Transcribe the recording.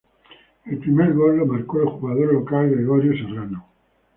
El primer gol lo marcó el jugador local Gregorio Serrano.